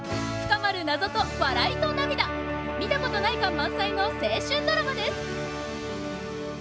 深まる謎と笑いと涙見たことない感満載の青春ドラマです！